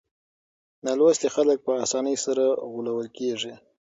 نالوستي خلک په اسانۍ سره غولول کېږي.